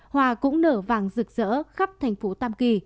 hoa cũng nở vàng rực rỡ khắp thành phố tam kỳ